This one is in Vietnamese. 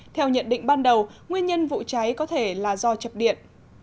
theo nhận định ban đầu nguyên nhân vụ cháy có thể là do chập điện